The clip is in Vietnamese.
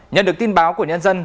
nhận được tin báo của nhân dân